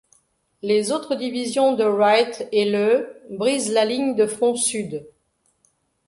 Les autres divisions de Wright et le brisent la ligne de front sud.